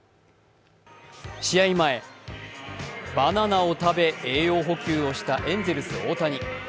試合前、バナナを食べ、栄養補給をしたエンゼルスの大谷。